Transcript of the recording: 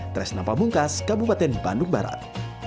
tres nampak bungkas kabupaten bandung barat